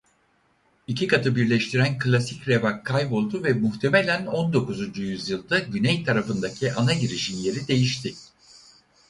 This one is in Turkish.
İki katı birleştiren klasik revak kayboldu ve muhtemelen on dokuzuncu yüzyılda güney tarafındaki ana girişin yeri değişti.